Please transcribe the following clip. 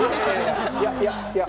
いや、いや。